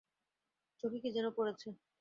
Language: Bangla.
চোখে কি যেনো পড়েছে।